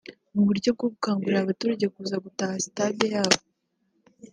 mu buryo bwo gukangurira abaturage kuza gutaha sitade yabo